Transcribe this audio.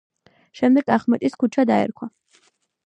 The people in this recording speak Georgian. შემდეგ ახმეტის ქუჩა დაერქვა.